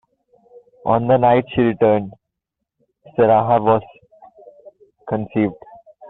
On the night she returned, Sarah was conceived.